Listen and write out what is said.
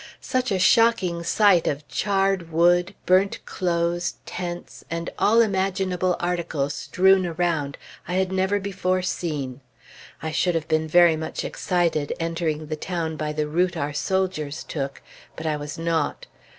Such a shocking sight of charred wood, burnt clothes, tents, and all imaginable articles strewn around, I had never before seen. I should have been very much excited, entering the town by the route our soldiers took; but I was not.